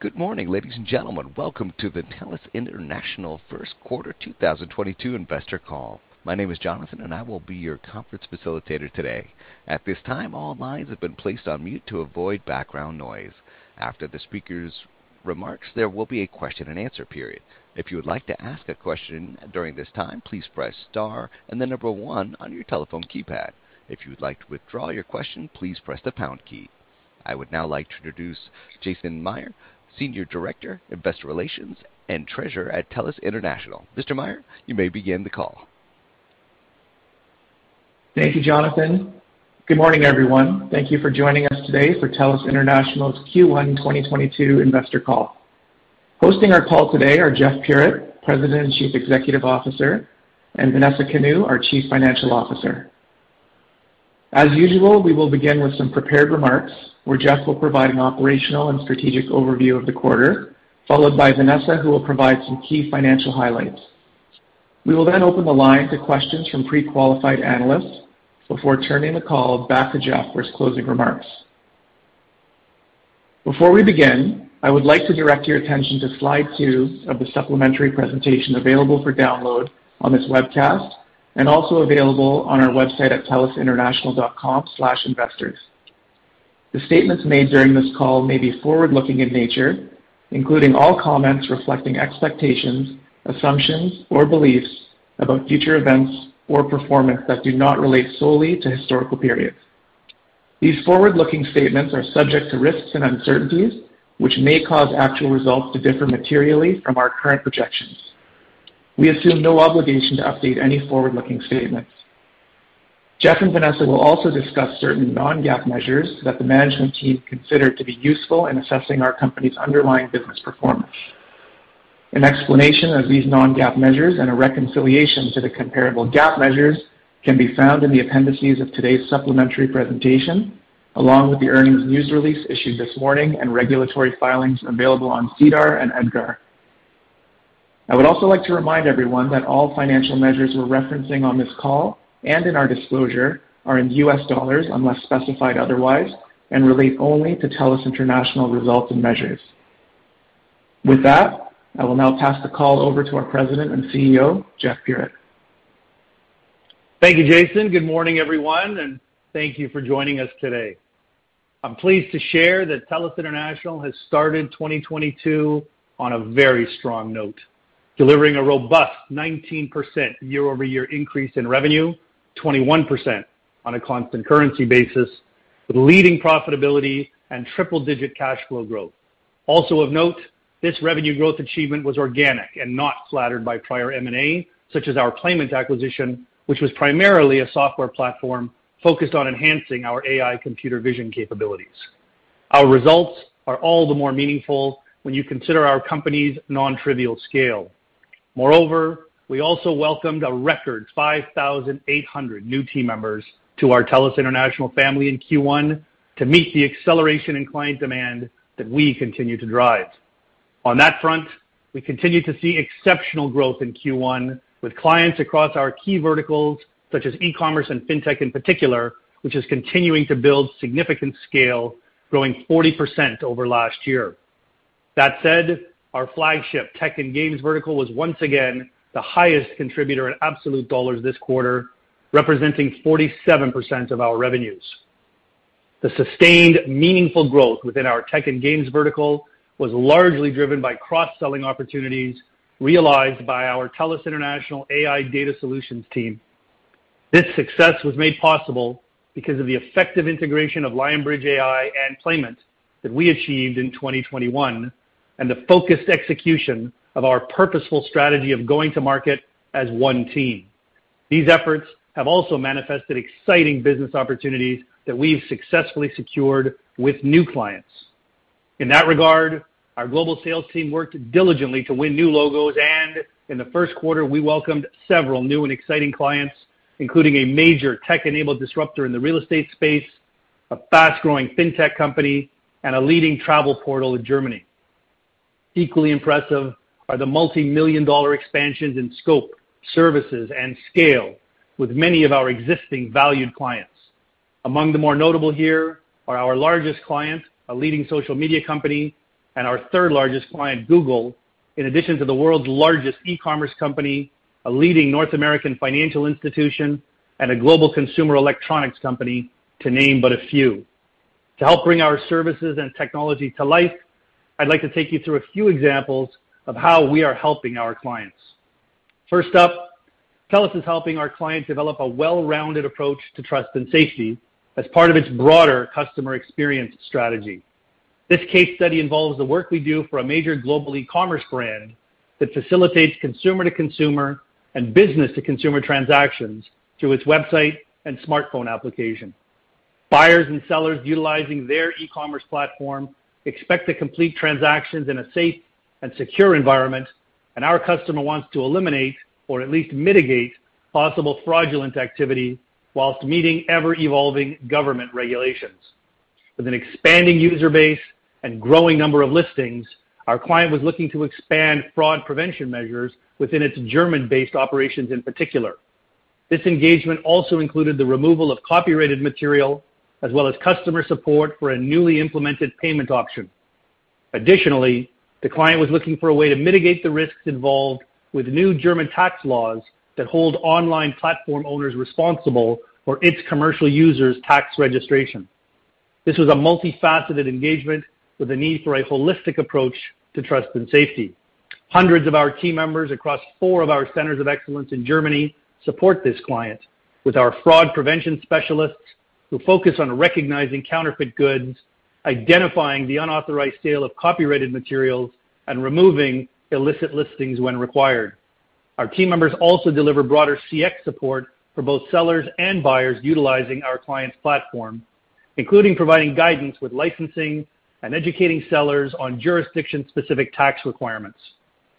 Good morning, ladies and gentlemen. Welcome to the TELUS International first quarter 2022 investor call. My name is Jonathan, and I will be your conference facilitator today. At this time, all lines have been placed on mute to avoid background noise. After the speakers' remarks, there will be a question and answer period. If you would like to ask a question during this time, please press star and the number one on your telephone keypad. If you would like to withdraw your question, please press the pound key. I would now like to introduce Jason Mayr, Senior Director, Investor Relations, and Treasurer at TELUS International. Mr. Mayr, you may begin the call. Thank you, Jonathan. Good morning, everyone. Thank you for joining us today for TELUS International's Q1 2022 investor call. Hosting our call today are Jeff Puritt, President and Chief Executive Officer, and Vanessa Kanu, our Chief Financial Officer. As usual, we will begin with some prepared remarks where Jeff will provide an operational and strategic overview of the quarter, followed by Vanessa, who will provide some key financial highlights. We will then open the line to questions from pre-qualified analysts before turning the call back to Jeff for his closing remarks. Before we begin, I would like to direct your attention to slide two of the supplementary presentation available for download on this webcast and also available on our website at telusinternational.com/investors. The statements made during this call may be forward-looking in nature, including all comments reflecting expectations, assumptions, or beliefs about future events or performance that do not relate solely to historical periods. These forward-looking statements are subject to risks and uncertainties, which may cause actual results to differ materially from our current projections. We assume no obligation to update any forward-looking statements. Jeff and Vanessa will also discuss certain non-GAAP measures that the management team consider to be useful in assessing our company's underlying business performance. An explanation of these non-GAAP measures and a reconciliation to the comparable GAAP measures can be found in the appendices of today's supplementary presentation, along with the earnings news release issued this morning and regulatory filings available on SEDAR and EDGAR. I would also like to remind everyone that all financial measures we're referencing on this call and in our disclosure are in U.S. dollars unless specified otherwise and relate only to TELUS International results and measures. With that, I will now pass the call over to our President and CEO, Jeff Puritt. Thank you, Jason. Good morning, everyone, and thank you for joining us today. I'm pleased to share that TELUS International has started 2022 on a very strong note, delivering a robust 19% year-over-year increase in revenue, 21% on a constant currency basis with leading profitability and triple-digit cash flow growth. Also of note, this revenue growth achievement was organic and not flattered by prior M&A, such as our Playment acquisition, which was primarily a software platform focused on enhancing our AI computer vision capabilities. Our results are all the more meaningful when you consider our company's non-trivial scale. Moreover, we also welcomed a record 5,800 new team members to our TELUS International family in Q1 to meet the acceleration in client demand that we continue to drive. On that front, we continue to see exceptional growth in Q1 with clients across our key verticals such as e-commerce and fintech in particular, which is continuing to build significant scale, growing 40% over last year. That said, our flagship tech and games vertical was once again the highest contributor in absolute dollars this quarter, representing 47% of our revenues. The sustained, meaningful growth within our tech and games vertical was largely driven by cross-selling opportunities realized by our TELUS International AI Data Solutions team. This success was made possible because of the effective integration of Lionbridge AI and Playment that we achieved in 2021, and the focused execution of our purposeful strategy of going to market as one team. These efforts have also manifested exciting business opportunities that we've successfully secured with new clients. In that regard, our global sales team worked diligently to win new logos, and in the first quarter, we welcomed several new and exciting clients, including a major tech-enabled disruptor in the real estate space, a fast-growing fintech company, and a leading travel portal in Germany. Equally impressive are the multi-million dollar expansions in scope, services, and scale with many of our existing valued clients. Among the more notable here are our largest client, a leading social media company, and our third-largest client, Google, in addition to the world's largest e-commerce company, a leading North American financial institution, and a global consumer electronics company, to name but a few. To help bring our services and technology to life, I'd like to take you through a few examples of how we are helping our clients. First up, TELUS is helping our client develop a well-rounded approach to trust and safety as part of its broader customer experience strategy. This case study involves the work we do for a major global e-commerce brand that facilitates consumer-to-consumer and business-to-consumer transactions through its website and smartphone application. Buyers and sellers utilizing their e-commerce platform expect to complete transactions in a safe and secure environment, and our customer wants to eliminate or at least mitigate possible fraudulent activity whilst meeting ever-evolving government regulations. With an expanding user base and growing number of listings, our client was looking to expand fraud prevention measures within its German-based operations in particular. This engagement also included the removal of copyrighted material as well as customer support for a newly implemented payment option. Additionally, the client was looking for a way to mitigate the risks involved with new German tax laws that hold online platform owners responsible for its commercial users' tax registration. This was a multifaceted engagement with a need for a holistic approach to trust and safety. Hundreds of our team members across four of our centers of excellence in Germany support this client with our fraud prevention specialists who focus on recognizing counterfeit goods, identifying the unauthorized sale of copyrighted materials, and removing illicit listings when required. Our team members also deliver broader CX support for both sellers and buyers utilizing our client's platform, including providing guidance with licensing and educating sellers on jurisdiction-specific tax requirements.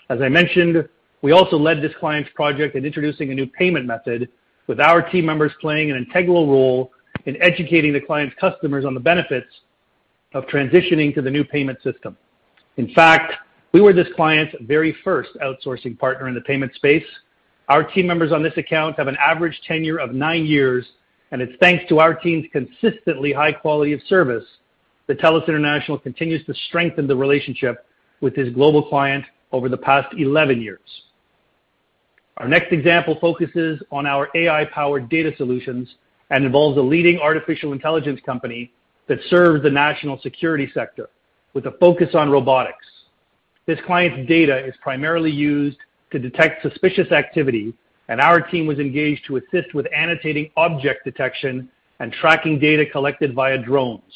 As I mentioned, we also led this client's project in introducing a new payment method, with our team members playing an integral role in educating the client's customers on the benefits of transitioning to the new payment system. In fact, we were this client's very first outsourcing partner in the payment space. Our team members on this account have an average tenure of nine years, and it's thanks to our team's consistently high quality of service that TELUS International continues to strengthen the relationship with this global client over the past 11 years. Our next example focuses on our AI-powered data solutions and involves a leading artificial intelligence company that serves the national security sector with a focus on robotics. This client's data is primarily used to detect suspicious activity, and our team was engaged to assist with annotating object detection and tracking data collected via drones.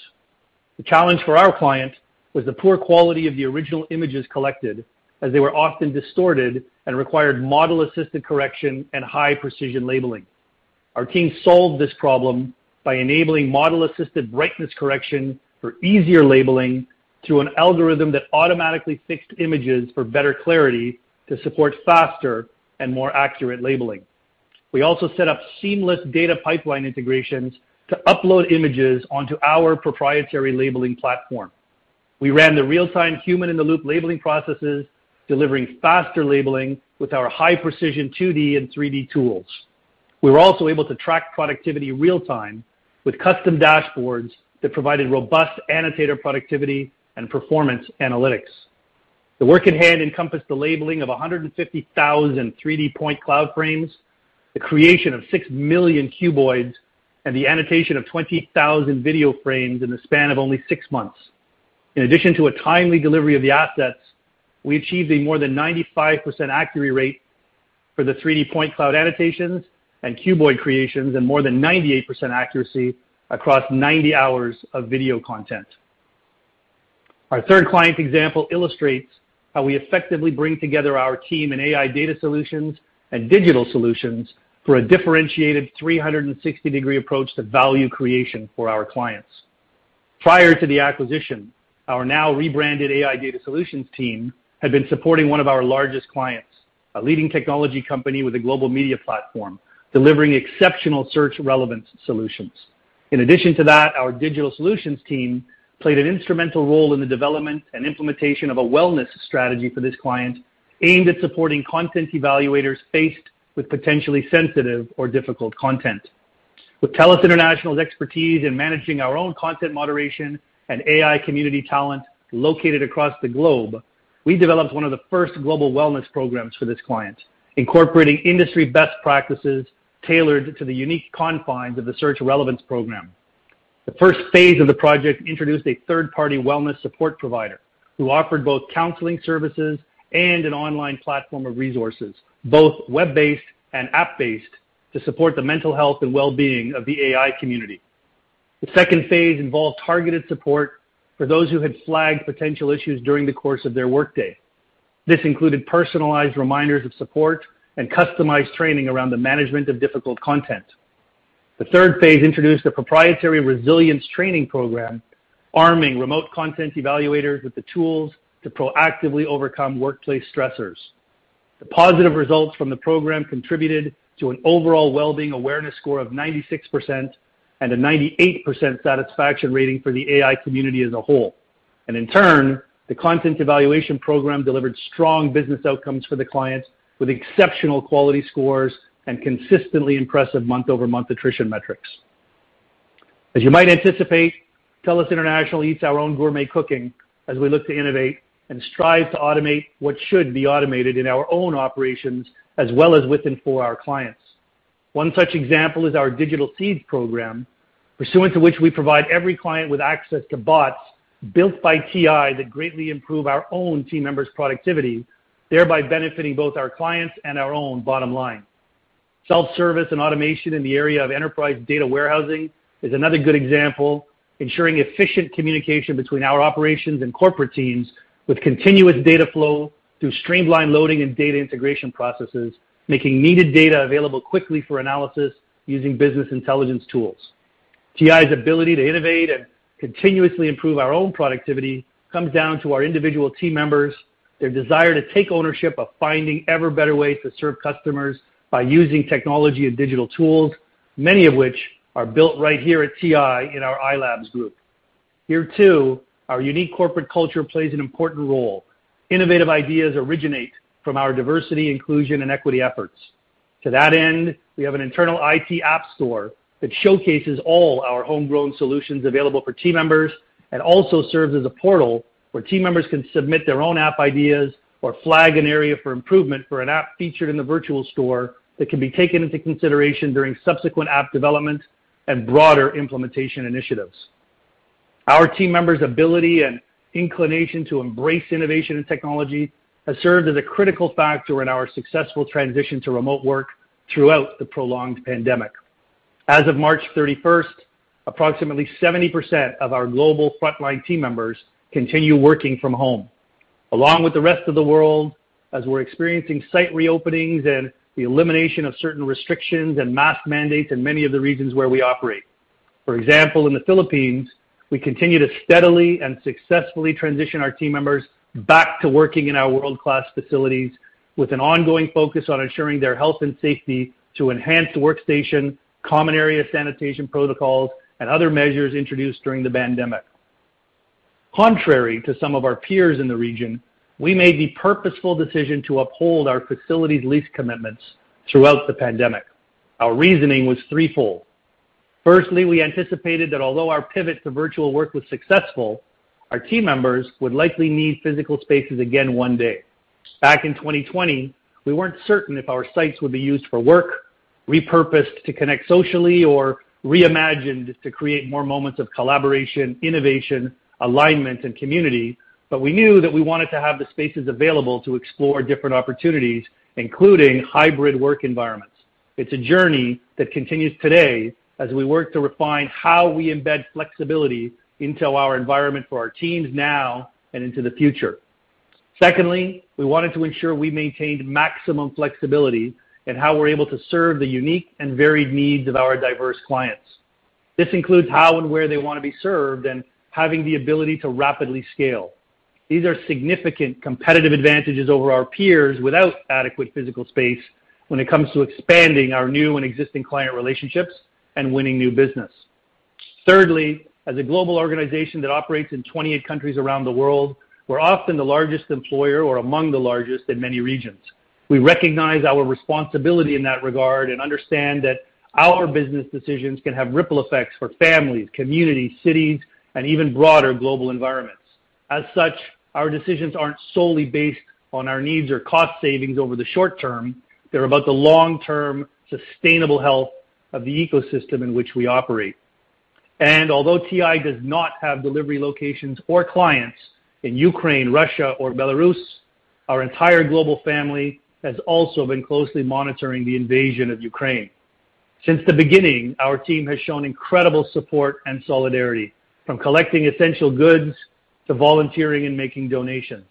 The challenge for our client was the poor quality of the original images collected, as they were often distorted and required model-assisted correction and high-precision labeling. Our team solved this problem by enabling model-assisted brightness correction for easier labeling through an algorithm that automatically fixed images for better clarity to support faster and more accurate labeling. We also set up seamless data pipeline integrations to upload images onto our proprietary labeling platform. We ran the real-time human-in-the-loop labeling processes, delivering faster labeling with our high-precision 2D and 3D tools. We were also able to track productivity real time with custom dashboards that provided robust annotator productivity and performance analytics. The work at hand encompassed the labeling of 150,000 3D point cloud frames, the creation of 6 million cuboids, and the annotation of 20,000 video frames in the span of only six months. In addition to a timely delivery of the assets, we achieved a more than 95% accuracy rate for the 3D point cloud annotations and cuboid creations, and more than 98% accuracy across 90 hours of video content. Our third client example illustrates how we effectively bring together our team in AI data solutions and digital solutions for a differentiated 360-degree approach to value creation for our clients. Prior to the acquisition, our now rebranded AI data solutions team had been supporting one of our largest clients, a leading technology company with a global media platform, delivering exceptional search relevance solutions. In addition to that, our digital solutions team played an instrumental role in the development and implementation of a wellness strategy for this client aimed at supporting content evaluators faced with potentially sensitive or difficult content. With TELUS International's expertise in managing our own content moderation and AI community talent located across the globe, we developed one of the first global wellness programs for this client, incorporating industry best practices tailored to the unique confines of the search relevance program. The first phase of the project introduced a third-party wellness support provider who offered both counseling services and an online platform of resources, both web-based and app-based, to support the mental health and well-being of the AI community. The second phase involved targeted support for those who had flagged potential issues during the course of their workday. This included personalized reminders of support and customized training around the management of difficult content. The third phase introduced a proprietary resilience training program, arming remote content evaluators with the tools to proactively overcome workplace stressors. The positive results from the program contributed to an overall well-being awareness score of 96% and a 98% satisfaction rating for the AI community as a whole. In turn, the content evaluation program delivered strong business outcomes for the clients with exceptional quality scores and consistently impressive month-over-month attrition metrics. As you might anticipate, TELUS International eats our own gourmet cooking as we look to innovate and strive to automate what should be automated in our own operations as well as with and for our clients. One such example is our Digital Seeds program, pursuant to which we provide every client with access to bots built by TI that greatly improve our own team members' productivity, thereby benefiting both our clients and our own bottom line. Self-service and automation in the area of enterprise data warehousing is another good example, ensuring efficient communication between our operations and corporate teams with continuous data flow through streamlined loading and data integration processes, making needed data available quickly for analysis using business intelligence tools. TI's ability to innovate and continuously improve our own productivity comes down to our individual team members, their desire to take ownership of finding ever better ways to serve customers by using technology and digital tools, many of which are built right here at TI in our iLabs group. Here too, our unique corporate culture plays an important role. Innovative ideas originate from our diversity, inclusion, and equity efforts. To that end, we have an internal IT app store that showcases all our homegrown solutions available for team members and also serves as a portal where team members can submit their own app ideas or flag an area for improvement for an app featured in the virtual store that can be taken into consideration during subsequent app development and broader implementation initiatives. Our team members' ability and inclination to embrace innovation and technology has served as a critical factor in our successful transition to remote work throughout the prolonged pandemic. As of March 31st, approximately 70% of our global frontline team members continue working from home. Along with the rest of the world, as we're experiencing site reopenings and the elimination of certain restrictions and mask mandates in many of the regions where we operate. For example, in the Philippines, we continue to steadily and successfully transition our team members back to working in our world-class facilities with an ongoing focus on ensuring their health and safety to enhance workstation, common area sanitation protocols, and other measures introduced during the pandemic. Contrary to some of our peers in the region, we made the purposeful decision to uphold our facilities lease commitments throughout the pandemic. Our reasoning was threefold. Firstly, we anticipated that although our pivot to virtual work was successful, our team members would likely need physical spaces again one day. Back in 2020, we weren't certain if our sites would be used for work, repurposed to connect socially, or reimagined to create more moments of collaboration, innovation, alignment, and community, but we knew that we wanted to have the spaces available to explore different opportunities, including hybrid work environments. It's a journey that continues today as we work to refine how we embed flexibility into our environment for our teams now and into the future. Secondly, we wanted to ensure we maintained maximum flexibility in how we're able to serve the unique and varied needs of our diverse clients. This includes how and where they wanna be served and having the ability to rapidly scale. These are significant competitive advantages over our peers without adequate physical space when it comes to expanding our new and existing client relationships and winning new business. Thirdly, as a global organization that operates in 28 countries around the world, we're often the largest employer or among the largest in many regions. We recognize our responsibility in that regard and understand that our business decisions can have ripple effects for families, communities, cities, and even broader global environments. As such, our decisions aren't solely based on our needs or cost savings over the short term. They're about the long-term sustainable health of the ecosystem in which we operate. Although TI does not have delivery locations or clients in Ukraine, Russia, or Belarus, our entire global family has also been closely monitoring the invasion of Ukraine. Since the beginning, our team has shown incredible support and solidarity, from collecting essential goods to volunteering and making donations.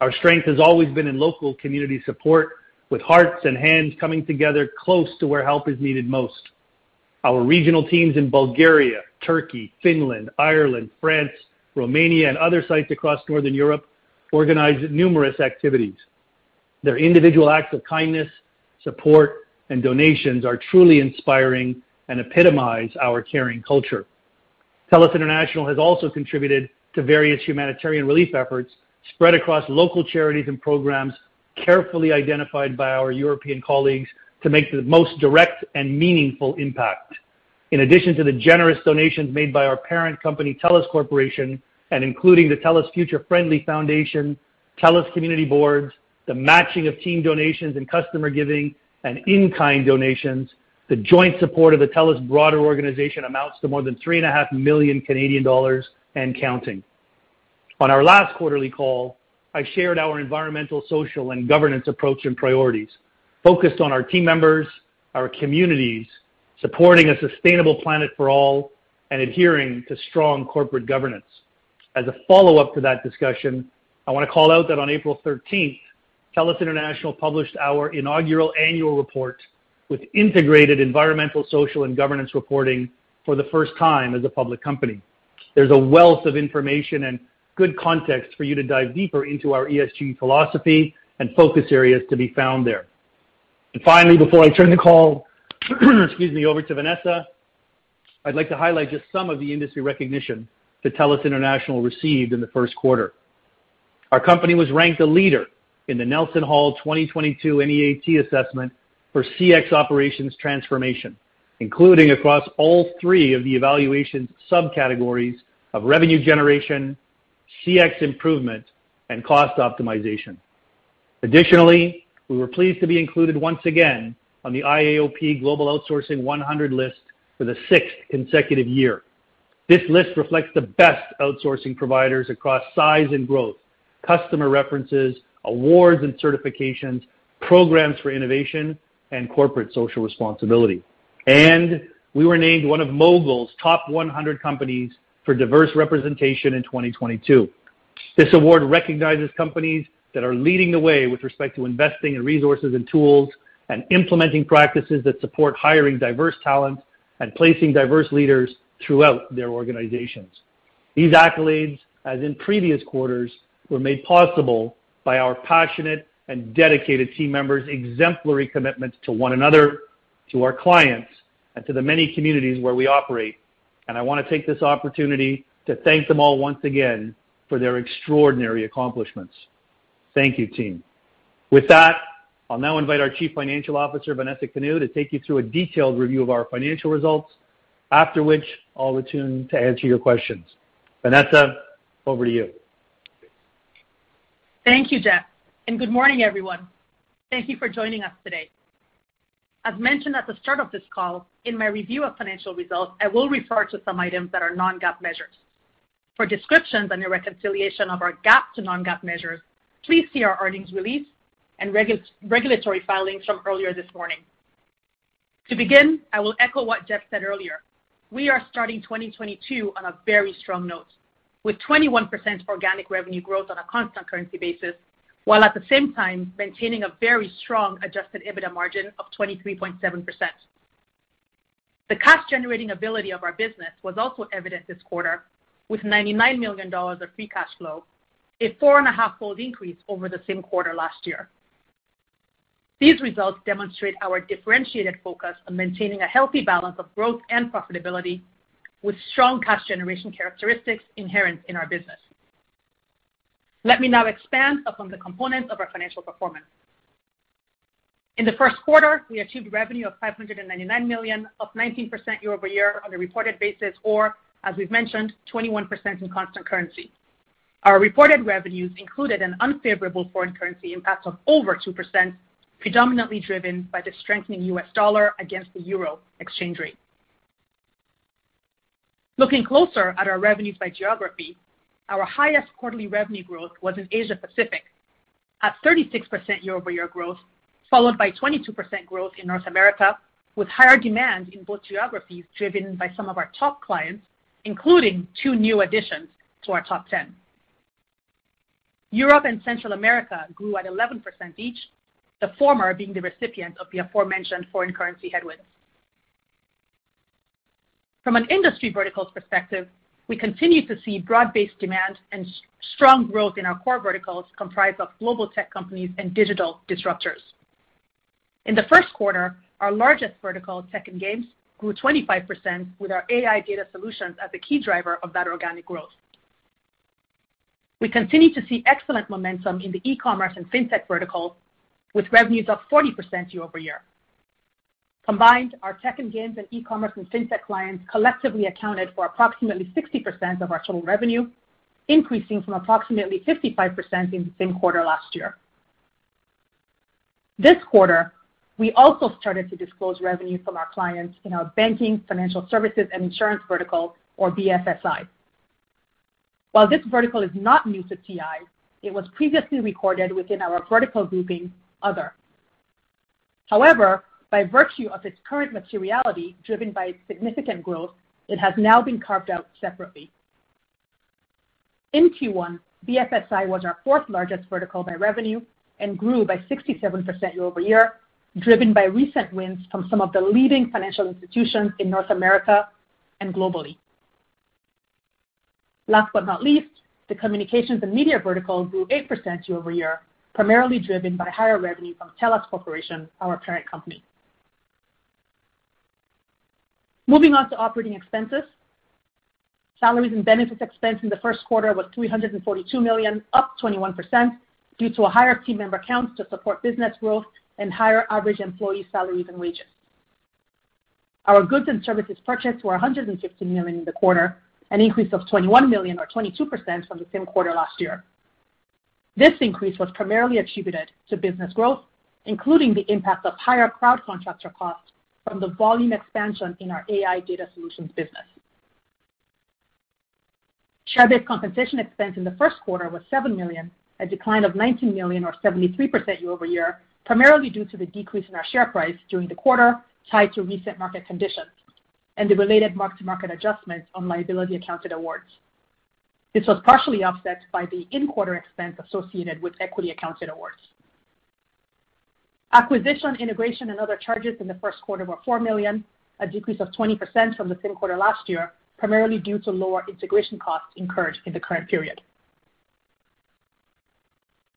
Our strength has always been in local community support, with hearts and hands coming together close to where help is needed most. Our regional teams in Bulgaria, Turkey, Finland, Ireland, France, Romania, and other sites across Northern Europe organized numerous activities. Their individual acts of kindness, support, and donations are truly inspiring and epitomize our caring culture. TELUS International has also contributed to various humanitarian relief efforts spread across local charities and programs carefully identified by our European colleagues to make the most direct and meaningful impact. In addition to the generous donations made by our parent company, TELUS Corporation, and including the TELUS Future Friendly Foundation, TELUS Community Boards, the matching of team donations and customer giving, and in-kind donations, the joint support of the TELUS broader organization amounts to more than 3.5 million Canadian dollars and counting. On our last quarterly call, I shared our environmental, social, and governance approach and priorities focused on our team members, our communities, supporting a sustainable planet for all, and adhering to strong corporate governance. As a follow-up to that discussion, I wanna call out that on April 13th, TELUS International published our inaugural annual report with integrated environmental, social, and governance reporting for the first time as a public company. There's a wealth of information and good context for you to dive deeper into our ESG philosophy and focus areas to be found there. Finally, before I turn the call, excuse me, over to Vanessa, I'd like to highlight just some of the industry recognition that TELUS International received in the first quarter. Our company was ranked a leader in the NelsonHall 2022 NEAT Assessment for CX operations transformation, including across all three of the evaluation subcategories of revenue generation, CX improvement, and cost optimization. Additionally, we were pleased to be included once again on the IAOP Global Outsourcing 100 list for the sixth consecutive year. This list reflects the best outsourcing providers across size and growth, customer references, awards and certifications, programs for innovation, and corporate social responsibility. We were named one of Mogul's Top 100 companies for diverse representation in 2022. This award recognizes companies that are leading the way with respect to investing in resources and tools and implementing practices that support hiring diverse talent and placing diverse leaders throughout their organizations. These accolades, as in previous quarters, were made possible by our passionate and dedicated team members' exemplary commitments to one another. To our clients and to the many communities where we operate, and I wanna take this opportunity to thank them all once again for their extraordinary accomplishments. Thank you, team. With that, I'll now invite our Chief Financial Officer, Vanessa Kanu, to take you through a detailed review of our financial results. After which, I'll return to answer your questions. Vanessa, over to you. Thank you, Jeff, and good morning, everyone. Thank you for joining us today. As mentioned at the start of this call, in my review of financial results, I will refer to some items that are non-GAAP measures. For descriptions and a reconciliation of our GAAP to non-GAAP measures, please see our earnings release and regulatory filings from earlier this morning. To begin, I will echo what Jeff said earlier. We are starting 2022 on a very strong note, with 21% organic revenue growth on a constant currency basis, while at the same time, maintaining a very strong adjusted EBITDA margin of 23.7%. The cash generating ability of our business was also evident this quarter with $99 million of free cash flow, a 4.5-fold increase over the same quarter last year. These results demonstrate our differentiated focus on maintaining a healthy balance of growth and profitability with strong cash generation characteristics inherent in our business. Let me now expand upon the components of our financial performance. In the first quarter, we achieved revenue of $599 million, up 19% year-over-year on a reported basis, or as we've mentioned, 21% in constant currency. Our reported revenues included an unfavorable foreign currency impact of over 2%, predominantly driven by the strengthening U.S. dollar against the euro exchange rate. Looking closer at our revenues by geography, our highest quarterly revenue growth was in Asia Pacific at 36% year-over-year growth, followed by 22% growth in North America, with higher demand in both geographies driven by some of our top clients, including two new additions to our top ten. Europe and Central America grew at 11% each, the former being the recipient of the aforementioned foreign currency headwinds. From an industry verticals perspective, we continue to see broad-based demand and strong growth in our core verticals comprised of global tech companies and digital disruptors. In the first quarter, our largest vertical, tech and games, grew 25% with our AI data solutions as the key driver of that organic growth. We continue to see excellent momentum in the e-commerce and fintech verticals, with revenues up 40% year-over-year. Combined, our tech and games and e-commerce and fintech clients collectively accounted for approximately 60% of our total revenue, increasing from approximately 55% in the same quarter last year. This quarter, we also started to disclose revenue from our clients in our Banking, Financial Services, and Insurance vertical or BFSI. While this vertical is not new to TI, it was previously recorded within our vertical grouping, other. However, by virtue of its current materiality driven by significant growth, it has now been carved out separately. In Q1, BFSI was our fourth-largest vertical by revenue and grew by 67% year-over-year, driven by recent wins from some of the leading financial institutions in North America and globally. Last but not least, the communications and media vertical grew 8% year-over-year, primarily driven by higher revenue from TELUS Corporation, our parent company. Moving on to operating expenses. Salaries and benefits expense in the first quarter was $342 million, up 21% due to a higher team member count to support business growth and higher average employee salaries and wages. Our goods and services purchased were $115 million in the quarter, an increase of $21 million or 22% from the same quarter last year. This increase was primarily attributed to business growth, including the impact of higher crowd contractor costs from the volume expansion in our AI data solutions business. Share-based compensation expense in the first quarter was $7 million, a decline of $19 million or 73% year-over-year, primarily due to the decrease in our share price during the quarter tied to recent market conditions and the related mark-to-market adjustments on liability accounted awards. This was partially offset by the in-quarter expense associated with equity accounted awards. Acquisition, integration, and other charges in the first quarter were $4 million, a decrease of 20% from the same quarter last year, primarily due to lower integration costs incurred in the current period.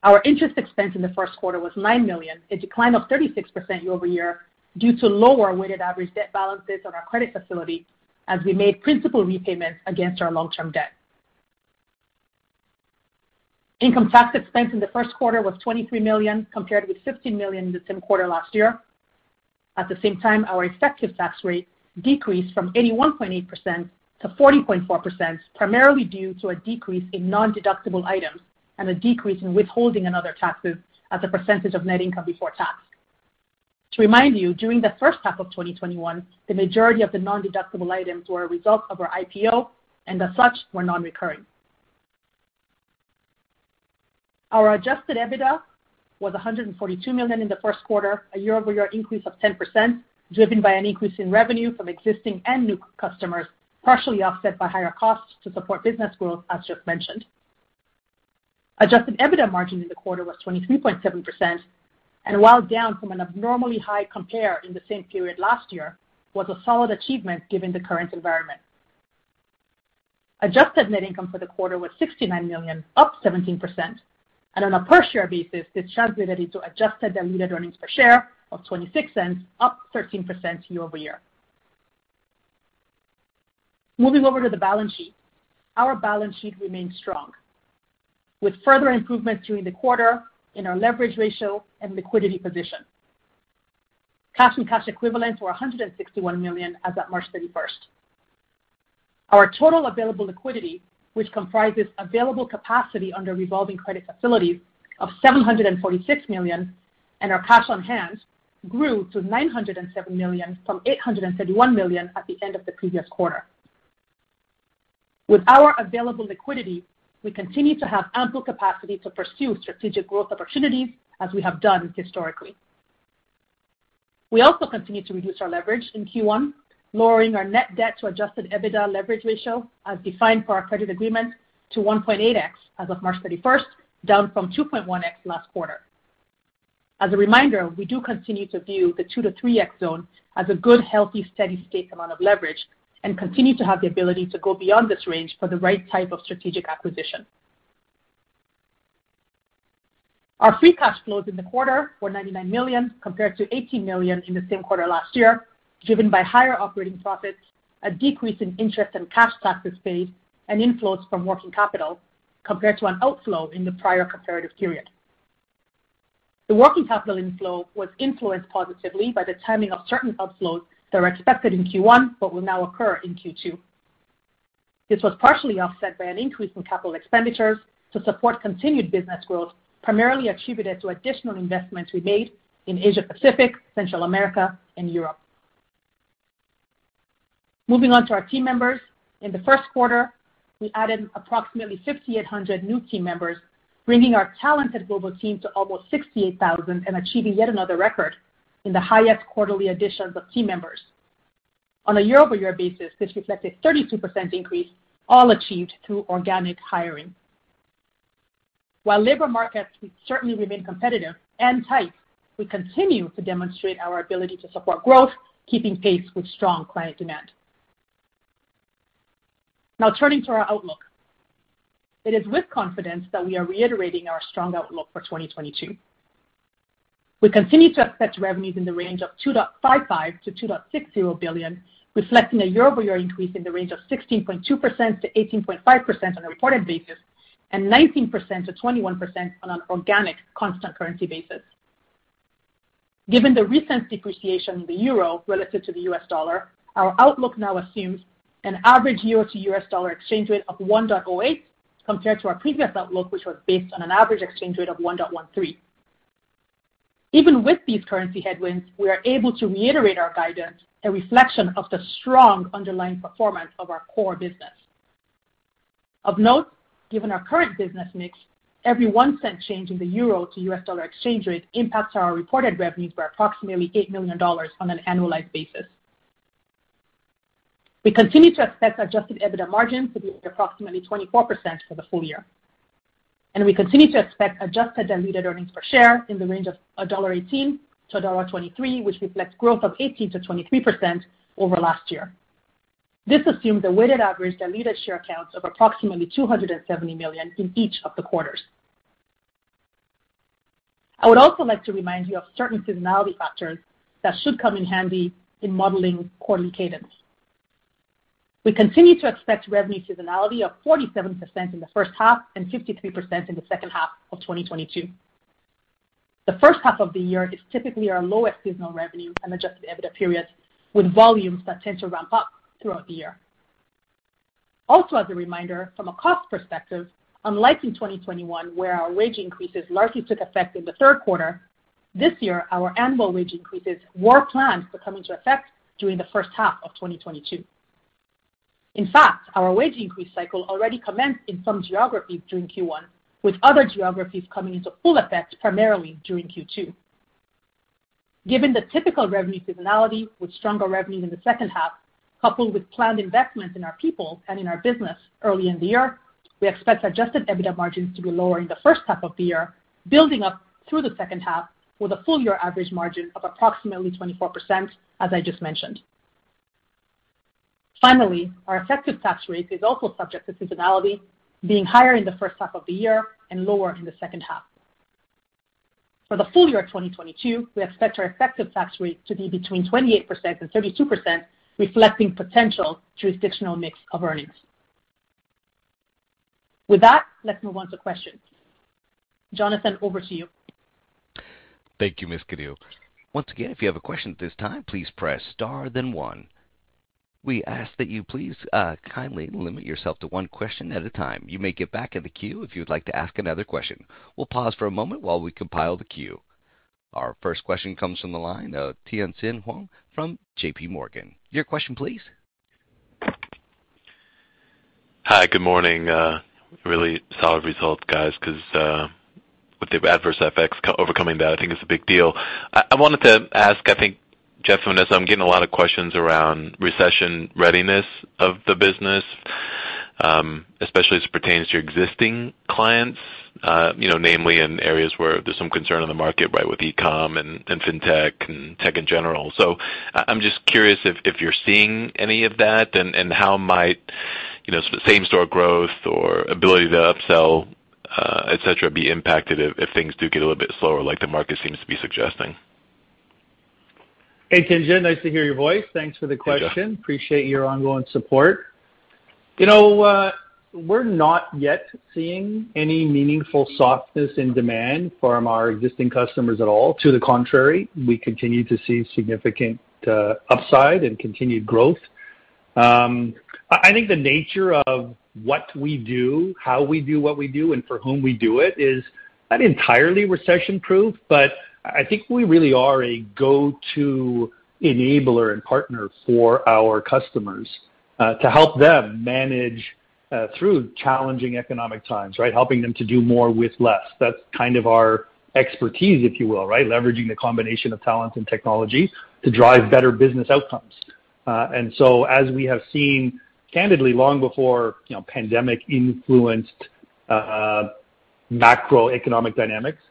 Our interest expense in the first quarter was $9 million, a decline of 36% year-over-year due to lower weighted average debt balances on our credit facility as we made principal repayments against our long-term debt. Income tax expense in the first quarter was $23 million, compared with $15 million in the same quarter last year. At the same time, our effective tax rate decreased from 81.8% to 40.4%, primarily due to a decrease in nondeductible items and a decrease in withholding and other taxes as a percentage of net income before tax. To remind you, during the first half of 2021, the majority of the nondeductible items were a result of our IPO and as such, were non-recurring. Our adjusted EBITDA was $142 million in the first quarter, a year-over-year increase of 10%, driven by an increase in revenue from existing and new customers, partially offset by higher costs to support business growth, as Jeff mentioned. Adjusted EBITDA margin in the quarter was 23.7%, and while down from an abnormally high compare in the same period last year, was a solid achievement given the current environment. Adjusted net income for the quarter was $69 million, up 17%. On a per share basis, this translated to adjusted diluted earnings per share of $0.26, up 13% year-over-year. Moving over to the balance sheet. Our balance sheet remains strong, with further improvements during the quarter in our leverage ratio and liquidity position. Cash and cash equivalents were $161 million as at March 31st. Our total available liquidity, which comprises available capacity under revolving credit facilities of $746 million, and our cash on hand grew to $907 million from $831 million at the end of the previous quarter. With our available liquidity, we continue to have ample capacity to pursue strategic growth opportunities as we have done historically. We also continue to reduce our leverage in Q1, lowering our net debt to adjusted EBITDA leverage ratio as defined for our credit agreement to 1.8x as of March 31st, down from 2.1x last quarter. As a reminder, we do continue to view the 2x-3x zone as a good, healthy, steady state amount of leverage and continue to have the ability to go beyond this range for the right type of strategic acquisition. Our free cash flows in the quarter were $99 million compared to $18 million in the same quarter last year, driven by higher operating profits, a decrease in interest and cash taxes paid, and inflows from working capital compared to an outflow in the prior comparative period. The working capital inflow was influenced positively by the timing of certain outflows that were expected in Q1 but will now occur in Q2. This was partially offset by an increase in capital expenditures to support continued business growth, primarily attributed to additional investments we made in Asia Pacific, Central America and Europe. Moving on to our team members. In the first quarter, we added approximately 5,800 new team members, bringing our talented global team to almost 68,000 and achieving yet another record in the highest quarterly additions of team members. On a year-over-year basis, this reflects a 32% increase, all achieved through organic hiring. While labor markets certainly remain competitive and tight, we continue to demonstrate our ability to support growth, keeping pace with strong client demand. Now turning to our outlook. It is with confidence that we are reiterating our strong outlook for 2022. We continue to expect revenues in the range of $2.55 billion-$2.60 billion, reflecting a year-over-year increase in the range of 16.2%-18.5% on a reported basis, and 19%-21% on an organic constant currency basis. Given the recent depreciation in the euro relative to the U.S. dollar, our outlook now assumes an average euro to U.S. dollar exchange rate of 1.08 compared to our previous outlook, which was based on an average exchange rate of 1.13. Even with these currency headwinds, we are able to reiterate our guidance, a reflection of the strong underlying performance of our core business. Of note, given our current business mix, every one-cent change in the euro to U.S. dollar exchange rate impacts our reported revenues by approximately $8 million on an annualized basis. We continue to expect adjusted EBITDA margins to be approximately 24% for the full year, and we continue to expect adjusted diluted earnings per share in the range of $1.18-$1.23, which reflects growth of 18%-23% over last year. This assumes a weighted average diluted share counts of approximately 270 million in each of the quarters. I would also like to remind you of certain seasonality factors that should come in handy in modeling quarterly cadence. We continue to expect revenue seasonality of 47% in the first half and 53% in the second half of 2022. The first half of the year is typically our lowest seasonal revenue and adjusted EBITDA periods with volumes that tend to ramp up throughout the year. Also, as a reminder from a cost perspective, unlike in 2021, where our wage increases largely took effect in the third quarter, this year our annual wage increases were planned to come into effect during the first half of 2022. In fact, our wage increase cycle already commenced in some geographies during Q1, with other geographies coming into full effect primarily during Q2. Given the typical revenue seasonality with stronger revenue in the second half, coupled with planned investments in our people and in our business early in the year, we expect adjusted EBITDA margins to be lower in the first half of the year, building up through the second half with a full year average margin of approximately 24%, as I just mentioned. Finally, our effective tax rate is also subject to seasonality, being higher in the first half of the year and lower in the second half. For the full year of 2022, we expect our effective tax rate to be between 28% and 32%, reflecting potential jurisdictional mix of earnings. With that, let's move on to questions. Jonathan, over to you. Thank you, Ms. Kanu. Once again, if you have a question at this time, please press star then one. We ask that you please, kindly limit yourself to one question at a time. You may get back in the queue if you would like to ask another question. We'll pause for a moment while we compile the queue. Our first question comes from the line of Tien-Tsin Huang from JPMorgan. Your question, please. Hi. Good morning. Really solid results, guys, because with the adverse FX overcoming that, I think it's a big deal. I wanted to ask, I think, Jeff and Vanessa. I'm getting a lot of questions around recession readiness of the business, especially as it pertains to your existing clients, you know, namely in areas where there's some concern in the market, right, with e-com and fintech and tech in general. I'm just curious if you're seeing any of that and how might, you know, the same-store growth or ability to upsell, et cetera, be impacted if things do get a little bit slower like the market seems to be suggesting. Hey, Tien-Tsin. Nice to hear your voice. Thanks for the question. Thanks, Jeff. Appreciate your ongoing support. You know, we're not yet seeing any meaningful softness in demand from our existing customers at all. To the contrary, we continue to see significant, upside and continued growth. I think the nature of what we do, how we do what we do, and for whom we do it is not entirely recession-proof, but I think we really are a go-to enabler and partner for our customers, to help them manage through challenging economic times, right? Helping them to do more with less. That's kind of our expertise, if you will, right? Leveraging the combination of talent and technology to drive better business outcomes. As we have seen candidly long before, you know, pandemic influenced, macroeconomic dynamics,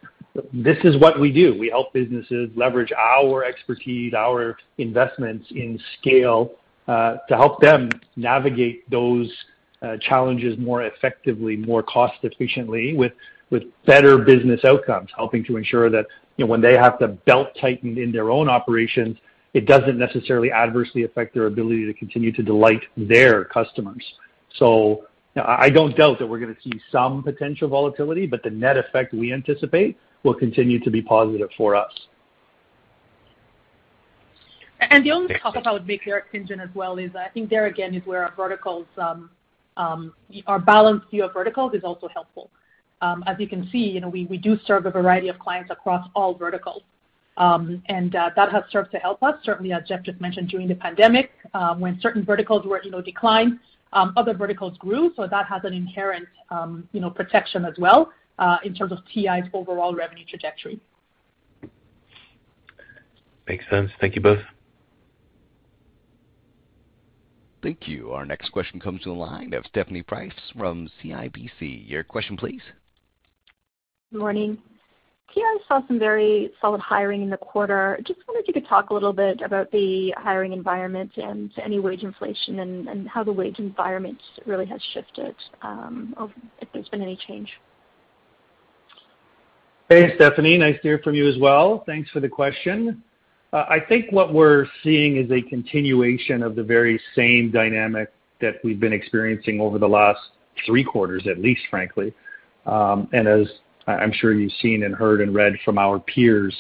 this is what we do. We help businesses leverage our expertise, our investments in scale, to help them navigate those challenges more effectively, more cost efficiently with better business outcomes. Helping to ensure that, you know, when they have to belt-tighten in their own operations, it doesn't necessarily adversely affect their ability to continue to delight their customers. I don't doubt that we're gonna see some potential volatility, but the net effect we anticipate will continue to be positive for us. The only comment I would make there, Tien-Tsin, as well is I think there again is where our verticals, our balanced view of verticals is also helpful. As you can see, you know, we do serve a variety of clients across all verticals. That has served to help us, certainly as Jeff just mentioned, during the pandemic, when certain verticals were, you know, declined, other verticals grew, so that has an inherent, you know, protection as well, in terms of TI's overall revenue trajectory. Makes sense. Thank you both. Thank you. Our next question comes to the line of Stephanie Price from CIBC. Your question please. Good morning. TI saw some very solid hiring in the quarter. Just wondered if you could talk a little bit about the hiring environment and any wage inflation and how the wage environment really has shifted, if there's been any change? Hey, Stephanie, nice to hear from you as well. Thanks for the question. I think what we're seeing is a continuation of the very same dynamic that we've been experiencing over the last three quarters at least, frankly. As I'm sure you've seen and heard and read from our peers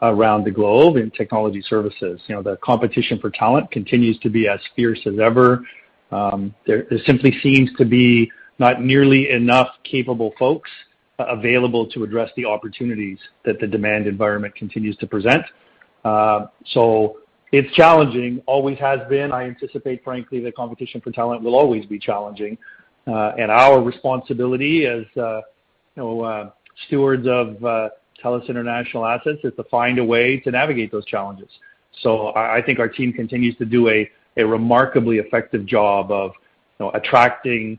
around the globe in technology services, you know, the competition for talent continues to be as fierce as ever. There simply seems to be not nearly enough capable folks available to address the opportunities that the demand environment continues to present. It's challenging, always has been. I anticipate, frankly, the competition for talent will always be challenging. Our responsibility as, you know, stewards of TELUS International assets is to find a way to navigate those challenges. I think our team continues to do a remarkably effective job of, you know, attracting,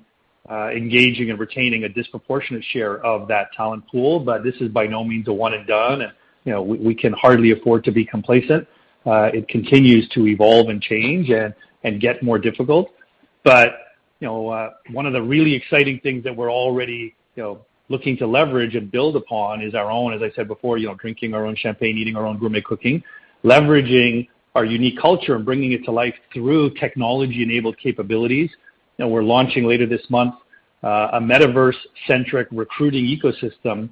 engaging and retaining a disproportionate share of that talent pool. This is by no means a one and done. You know, we can hardly afford to be complacent. It continues to evolve and change and get more difficult. You know, one of the really exciting things that we're already, you know, looking to leverage and build upon is our own, as I said before, you know, drinking our own champagne, eating our own gourmet cooking. Leveraging our unique culture and bringing it to life through technology-enabled capabilities. You know, we're launching later this month, a metaverse-centric recruiting ecosystem,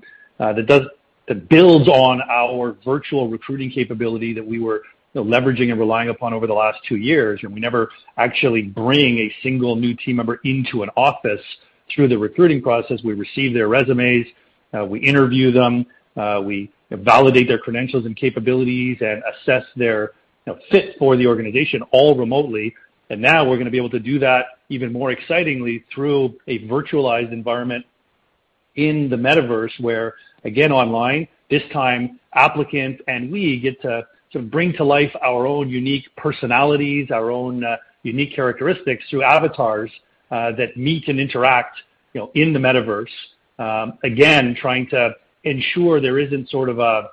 that builds on our virtual recruiting capability that we were, you know, leveraging and relying upon over the last two years. We never actually bring a single new team member into an office through the recruiting process. We receive their resumes, we interview them, we validate their credentials and capabilities and assess their, you know, fit for the organization all remotely. Now we're gonna be able to do that even more excitingly through a virtualized environment in the metaverse where, again online, this time applicants and we get to bring to life our own unique personalities, our own unique characteristics through avatars that meet and interact, you know, in the metaverse. Again, trying to ensure there isn't sort of a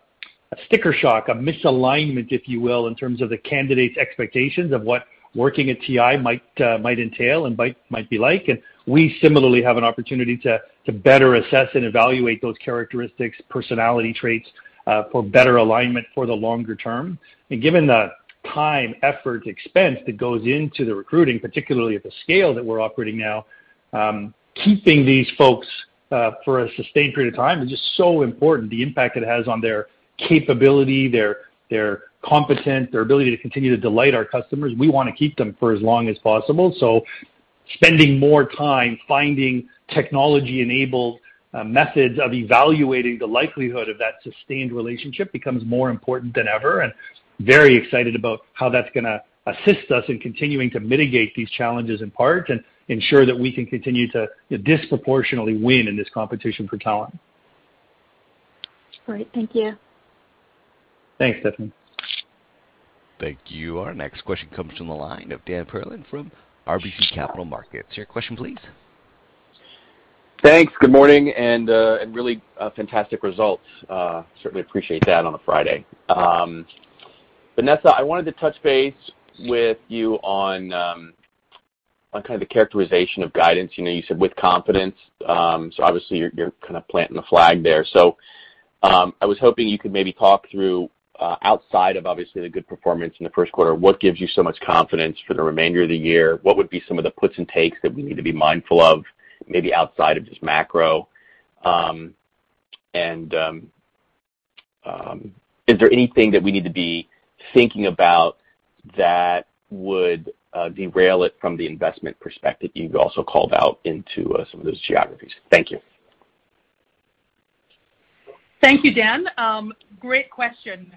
sticker shock, a misalignment, if you will, in terms of the candidates' expectations of what working at TI might entail and might be like. We similarly have an opportunity to better assess and evaluate those characteristics, personality traits, for better alignment for the longer term. Given the time, effort, expense that goes into the recruiting, particularly at the scale that we're operating now, keeping these folks for a sustained period of time is just so important. The impact it has on their capability, their competence, their ability to continue to delight our customers. We wanna keep them for as long as possible. Spending more time finding technology-enabled methods of evaluating the likelihood of that sustained relationship becomes more important than ever, and very excited about how that's gonna assist us in continuing to mitigate these challenges in part and ensure that we can continue to disproportionately win in this competition for talent. Great. Thank you. Thanks, Stephanie. Thank you. Our next question comes from the line of Dan Perlin from RBC Capital Markets. Your question please. Thanks. Good morning and really fantastic results. Certainly appreciate that on a Friday. Vanessa, I wanted to touch base with you on kind of the characterization of guidance. You know, you said with confidence, so obviously you're kind of planting the flag there. I was hoping you could maybe talk through outside of obviously the good performance in the first quarter, what gives you so much confidence for the remainder of the year? What would be some of the puts and takes that we need to be mindful of maybe outside of just macro? Is there anything that we need to be thinking about that would derail it from the investment perspective you've also called out into some of those geographies? Thank you. Thank you, Dan. Great question.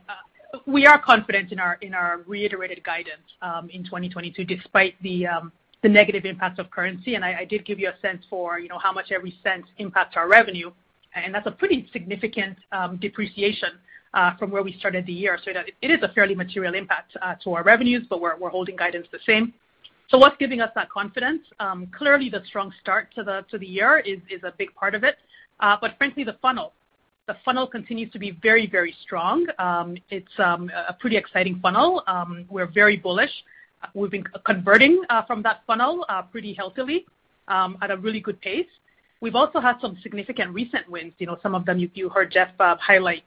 We are confident in our reiterated guidance in 2022 despite the negative impact of currency. I did give you a sense for, you know, how much every cent impacts our revenue, and that's a pretty significant depreciation from where we started the year, so that it is a fairly material impact to our revenues, but we're holding guidance the same. What's giving us that confidence? Clearly the strong start to the year is a big part of it. Frankly the funnel. The funnel continues to be very strong. It's a pretty exciting funnel. We're very bullish. We've been converting from that funnel pretty healthily at a really good pace. We've also had some significant recent wins. You know, some of them you heard Jeff highlight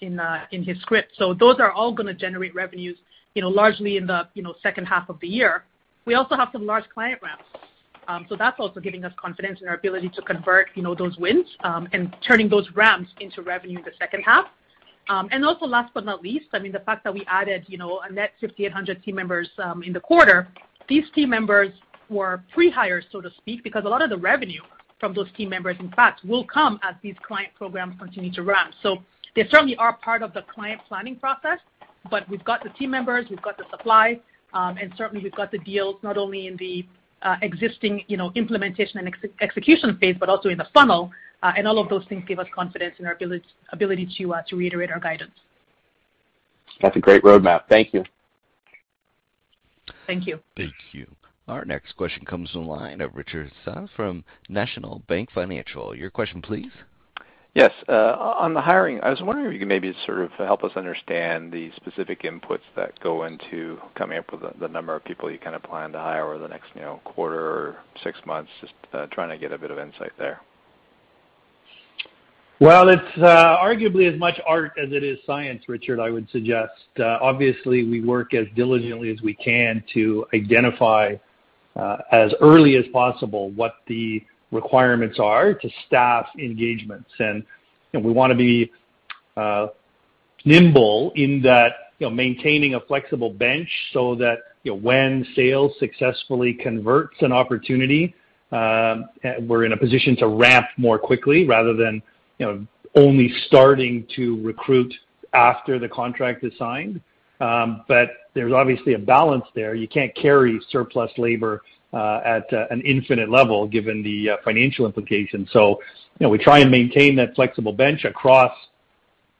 in his script. Those are all gonna generate revenues, you know, largely in the second half of the year. We also have some large client ramps. That's also giving us confidence in our ability to convert, you know, those wins, and turning those ramps into revenue in the second half. Also last but not least, I mean the fact that we added, you know, a net 5,800 team members in the quarter. These team members were pre-hired, so to speak, because a lot of the revenue from those team members in fact will come as these client programs continue to ramp. They certainly are part of the client planning process, but we've got the team members, we've got the supply, and certainly we've got the deals not only in the existing, you know, implementation and execution phase but also in the funnel. All of those things give us confidence in our ability to reiterate our guidance. That's a great roadmap. Thank you. Thank you. Thank you. Our next question comes from the line of Richard Tse from National Bank Financial. Your question please. Yes. On the hiring, I was wondering if you could maybe sort of help us understand the specific inputs that go into coming up with the number of people you kind of plan to hire over the next, you know, quarter or six months. Just trying to get a bit of insight there. Well, it's arguably as much art as it is science, Richard, I would suggest. Obviously we work as diligently as we can to identify as early as possible what the requirements are to staff engagements. You know, we wanna be nimble in that, you know, maintaining a flexible bench so that, you know, when sales successfully converts an opportunity, we're in a position to ramp more quickly rather than, you know, only starting to recruit after the contract is signed. There's obviously a balance there. You can't carry surplus labor at an infinite level given the financial implications. You know, we try and maintain that flexible bench across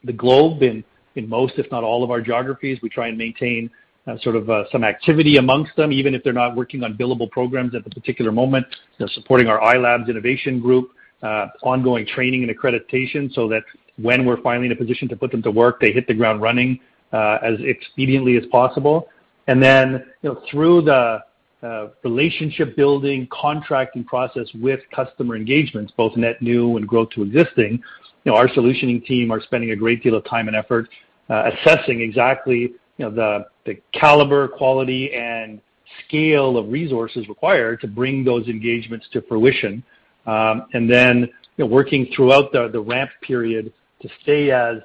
the globe in most if not all of our geographies. We try and maintain, sort of, some activity among them, even if they're not working on billable programs at the particular moment. They're supporting our iLabs innovation group, ongoing training and accreditation so that when we're finally in a position to put them to work, they hit the ground running, as expediently as possible. Then, you know, through the relationship building, contracting process with customer engagements, both net new and growth to existing, you know, our solutioning team are spending a great deal of time and effort, assessing exactly, you know, the caliber, quality, and scale of resources required to bring those engagements to fruition. Then, you know, working throughout the ramp period to stay as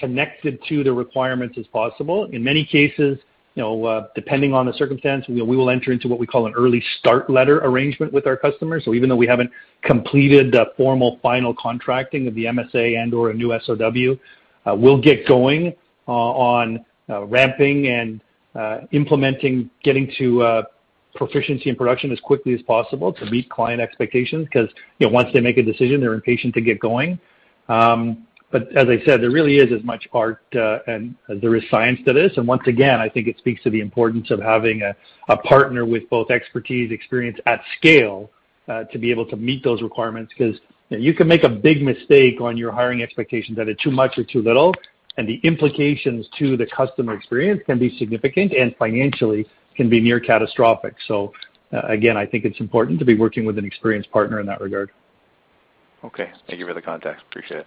connected to the requirements as possible. In many cases, you know, depending on the circumstance, you know, we will enter into what we call an early start letter arrangement with our customers. Even though we haven't completed the formal final contracting of the MSA and/or a new SOW, we'll get going on ramping and implementing, getting to proficiency and production as quickly as possible to meet client expectations. 'Cause, you know, once they make a decision, they're impatient to get going. But as I said, there really is as much art and as there is science to this. Once again, I think it speaks to the importance of having a partner with both expertise, experience at scale, to be able to meet those requirements. 'Cause, you know, you can make a big mistake on your hiring expectations that are too much or too little, and the implications to the customer experience can be significant and financially can be near catastrophic. Again, I think it's important to be working with an experienced partner in that regard. Okay. Thank you for the context. Appreciate it.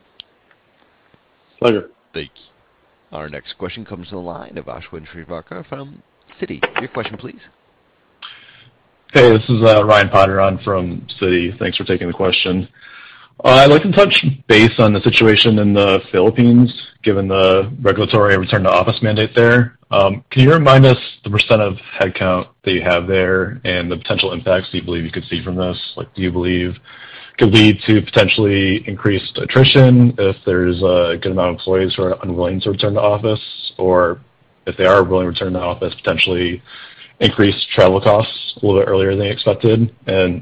Pleasure. Thank you. Our next question comes to the line of Ashwin Shirvaikar from Citi. Your question please. Hey, this is Ryan Potter from Citi. Thanks for taking the question. I'd like to touch base on the situation in the Philippines, given the regulatory return to office mandate there. Can you remind us the percent of headcount that you have there and the potential impacts that you believe you could see from this? Like, do you believe could lead to potentially increased attrition if there's a good amount of employees who are unwilling to return to office? Or if they are willing to return to office, potentially increased travel costs a little bit earlier than you expected?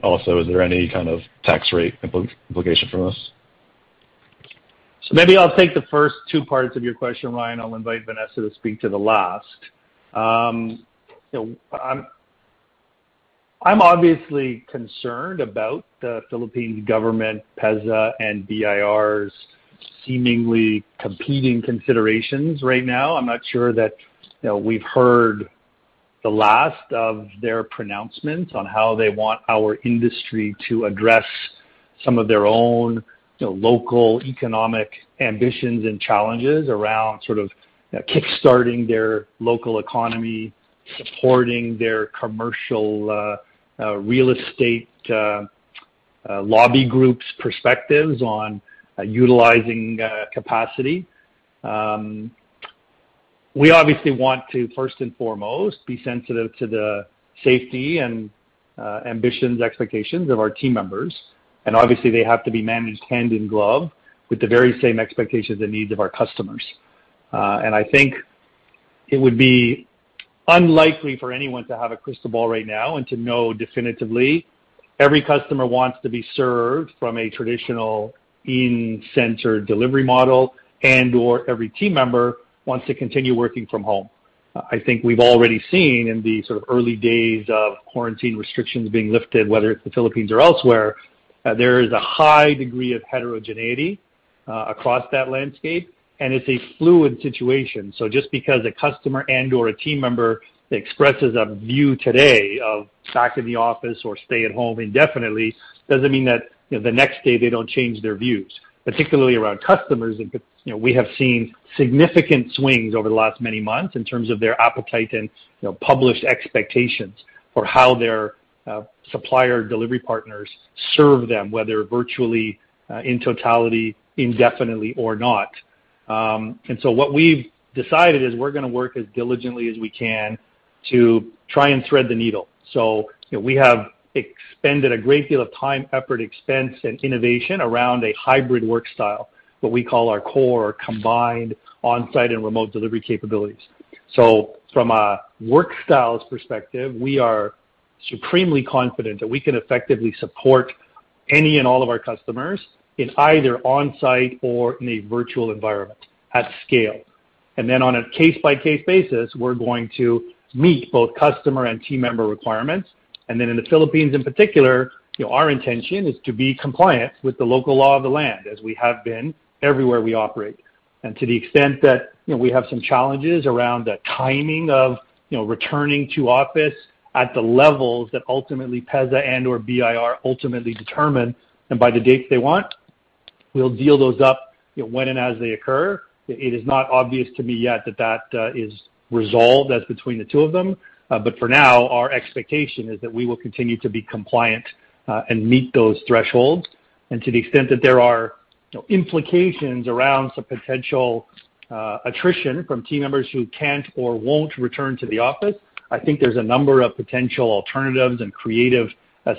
Also, is there any kind of tax rate implication from this? Maybe I'll take the first two parts of your question, Ryan. I'll invite Vanessa to speak to the last. You know, I'm obviously concerned about the Philippine government, PEZA, and BIR's seemingly competing considerations right now. I'm not sure that, you know, we've heard the last of their pronouncements on how they want our industry to address some of their own, you know, local economic ambitions and challenges around sort of, you know, kick-starting their local economy, supporting their commercial real estate lobby group's perspectives on utilizing capacity. We obviously want to, first and foremost, be sensitive to the safety and ambitions, expectations of our team members, and obviously they have to be managed hand in glove with the very same expectations and needs of our customers. I think it would be unlikely for anyone to have a crystal ball right now and to know definitively every customer wants to be served from a traditional in-center delivery model and/or every team member wants to continue working from home. I think we've already seen in the sort of early days of quarantine restrictions being lifted, whether it's the Philippines or elsewhere, there is a high degree of heterogeneity across that landscape, and it's a fluid situation. Just because a customer and/or a team member expresses a view today of back in the office or stay at home indefinitely doesn't mean that, you know, the next day they don't change their views. Particularly around customers, you know, we have seen significant swings over the last many months in terms of their appetite and, you know, published expectations for how their supplier delivery partners serve them, whether virtually, in totality, indefinitely or not. What we've decided is we're gonna work as diligently as we can to try and thread the needle. You know, we have expended a great deal of time, effort, expense, and innovation around a hybrid work style, what we call our CORE, Combined Onsite and Remote delivery capabilities. From a work styles perspective, we are supremely confident that we can effectively support any and all of our customers in either onsite or in a virtual environment at scale. Then on a case-by-case basis, we're going to meet both customer and team member requirements. Then in the Philippines in particular, you know, our intention is to be compliant with the local law of the land as we have been everywhere we operate. To the extent that, you know, we have some challenges around the timing of, you know, returning to office at the levels that ultimately PEZA and/or BIR ultimately determine and by the dates they want, we'll deal with those, you know, when and as they occur. It is not obvious to me yet that that is resolved as between the two of them. For now, our expectation is that we will continue to be compliant and meet those thresholds. To the extent that there are, you know, implications around some potential attrition from team members who can't or won't return to the office, I think there's a number of potential alternatives and creative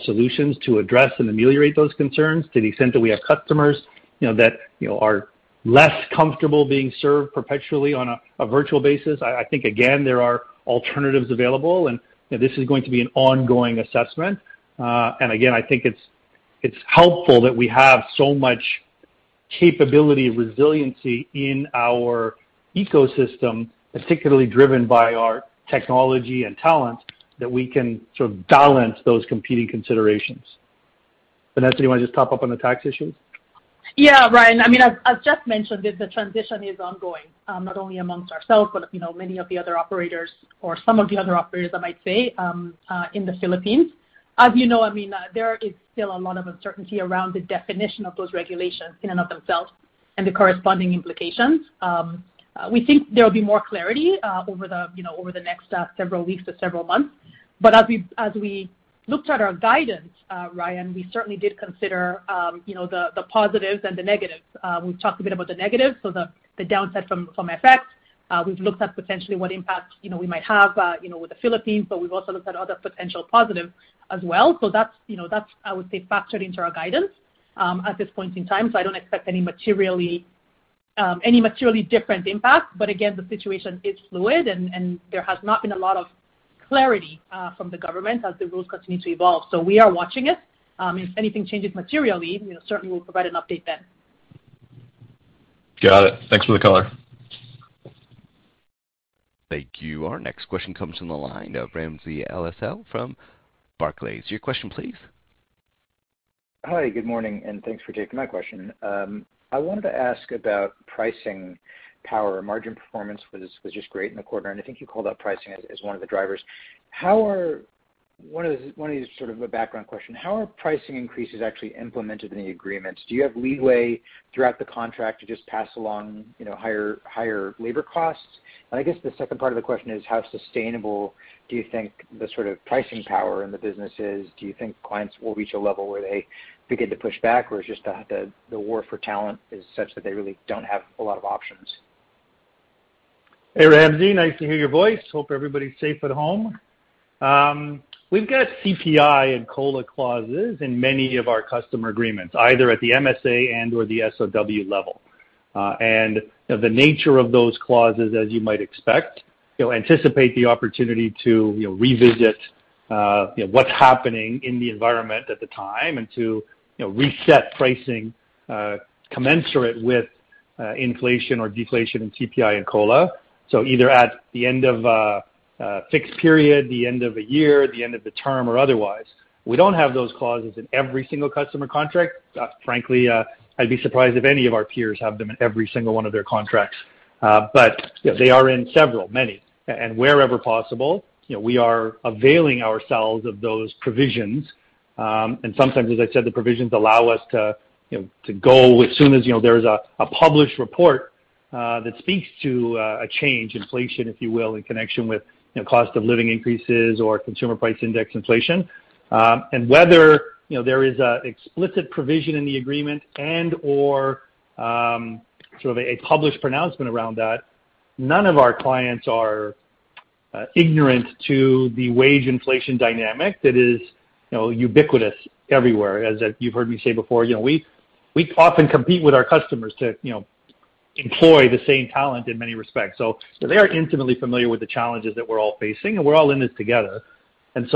solutions to address and ameliorate those concerns to the extent that we have customers, you know, that, you know, are less comfortable being served perpetually on a virtual basis. I think again, there are alternatives available, and, you know, this is going to be an ongoing assessment. Again, I think it's helpful that we have so much capability and resiliency in our ecosystem, particularly driven by our technology and talent, that we can sort of balance those competing considerations. Vanessa, do you wanna just top up on the tax issue? Yeah, Ryan, I mean, as Jeff mentioned, the transition is ongoing, not only amongst ourselves, but you know, many of the other operators or some of the other operators, I might say, in the Philippines. As you know, I mean, there is still a lot of uncertainty around the definition of those regulations in and of themselves and the corresponding implications. We think there will be more clarity over the next several weeks to several months. As we looked at our guidance, Ryan, we certainly did consider you know, the positives and the negatives. We've talked a bit about the negatives, so the downside from FX. We've looked at potentially what impact, you know, we might have, you know, with the Philippines, but we've also looked at other potential positives as well. That's, you know, that's, I would say, factored into our guidance, at this point in time, so I don't expect any materially different impact. Again, the situation is fluid and there has not been a lot of clarity, from the government as the rules continue to evolve. We are watching it. If anything changes materially, you know, certainly we'll provide an update then. Got it. Thanks for the color. Thank you. Our next question comes from the line of Ramsey El-Assal from Barclays. Your question, please. Hi. Good morning, and thanks for taking my question. I wanted to ask about pricing power. Margin performance was just great in the quarter, and I think you called out pricing as one of the drivers. One of these sort of a background question, how are pricing increases actually implemented in the agreements? Do you have leeway throughout the contract to just pass along, you know, higher labor costs? I guess the second part of the question is, how sustainable do you think the sort of pricing power in the business is? Do you think clients will reach a level where they begin to push back, or it's just the war for talent is such that they really don't have a lot of options? Hey, Ramsey. Nice to hear your voice. Hope everybody's safe at home. We've got CPI and COLA clauses in many of our customer agreements, either at the MSA and/or the SOW level. The nature of those clauses, as you might expect, you'll anticipate the opportunity to, you know, revisit, you know, what's happening in the environment at the time and to, you know, reset pricing, commensurate with inflation or deflation in CPI and COLA. Either at the end of a fixed period, the end of a year, the end of the term or otherwise. We don't have those clauses in every single customer contract. Frankly, I'd be surprised if any of our peers have them in every single one of their contracts. You know, they are in several, many. Wherever possible, you know, we are availing ourselves of those provisions. Sometimes, as I said, the provisions allow us to, you know, to go as soon as, you know, there's a published report that speaks to a change, inflation, if you will, in connection with, you know, cost of living increases or consumer price index inflation. Whether, you know, there is an explicit provision in the agreement and/or sort of a published pronouncement around that, none of our clients are ignorant to the wage inflation dynamic that is, you know, ubiquitous everywhere. As you've heard me say before, you know, we often compete with our customers to, you know, employ the same talent in many respects. They are intimately familiar with the challenges that we're all facing, and we're all in this together. You